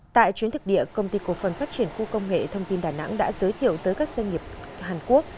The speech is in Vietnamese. tại chuyến thực địa công ty cổ phần phát triển khu công nghệ thông tin đà nẵng đã giới thiệu tới các doanh nghiệp hàn quốc